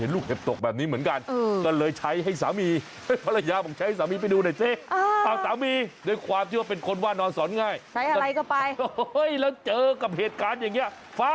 แล้วที่หลายคนกังวลใจว่าพี่ผู้ชายเป็นอะไรมั้ย